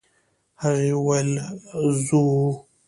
هغه وويل: «ځو!»